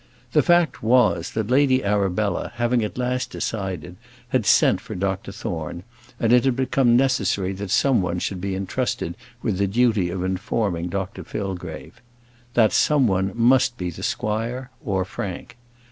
The fact was, that Lady Arabella, having at last decided, had sent for Dr Thorne; and it had become necessary that some one should be entrusted with the duty of informing Dr Fillgrave. That some one must be the squire, or Frank.